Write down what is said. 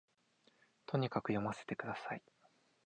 とにかく読ませて下さい